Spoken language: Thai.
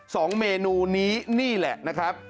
สองเมนูนี้นี่แหละนะครับ